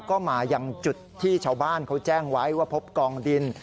ก็มายังจุดที่ชาวบ้านเขาแจ้งไว้ว่าพบกองดิน